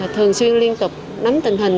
thường xuyên liên tục nắm tình hình